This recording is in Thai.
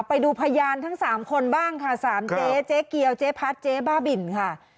ไปดูพยานทั้ง๓คนบ้างค่ะ๓เจ๊เจ๊เกียวเจ๊พัดเจ๊บ้าบินค่ะ